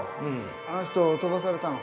あの人飛ばされたの？